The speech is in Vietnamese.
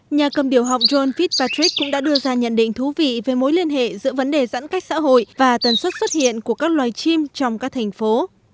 nhà cầm điều học john fit patrix cũng đã đưa ra nhận định thú vị về mối liên hệ giữa vấn đề giãn cách xã hội và tần suất xuất hiện của các loài chim trong các thành phố